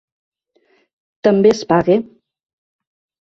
També es paga.